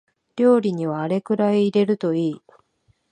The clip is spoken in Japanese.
料理にはあれくらい入れるといい